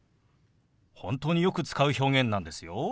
本当によく使う表現なんですよ。